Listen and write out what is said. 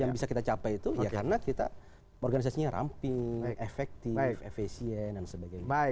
yang bisa kita capai itu ya karena kita organisasinya ramping efektif efisien dan sebagainya